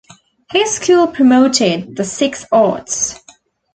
His school promoted the Six Arts.